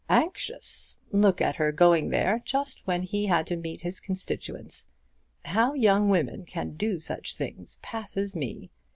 "Anxious; look at her going there just when he had to meet his constituents. How young women can do such things passes me!